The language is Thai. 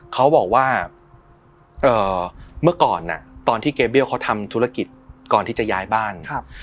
เขาบอกว่าเมื่อก่อนตอนที่เกเบี้ยเขาทำธุรกิจก่อนที่จะย้ายบ้าน